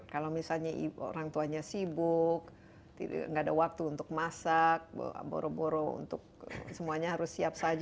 kalau misalnya orang tuanya sibuk gak ada waktu untuk masak boro boro untuk semuanya harus siap saja